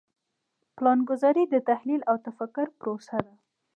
پلانګذاري د تحلیل او تفکر پروسه ده.